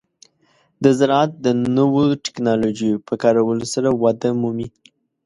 د زراعت د نوو ټکنالوژیو په کارولو سره وده مومي.